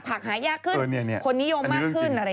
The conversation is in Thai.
หายากขึ้นคนนิยมมากขึ้นอะไรอย่างนี้